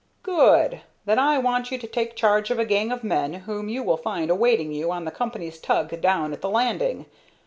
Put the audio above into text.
"Good! Then I want you to take charge of a gang of men whom you will find awaiting you on the company's tug down at the landing.